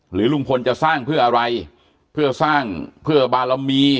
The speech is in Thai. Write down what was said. หรือลุงพลจะสร้างเพื่ออะไรเพื่อสร้างเพื่อบารมี